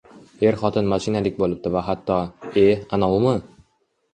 er-xotin mashinalik boʼlibdi va hatto: «E, anovimi?..